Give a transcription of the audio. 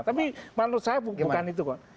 tapi menurut saya bukan itu kok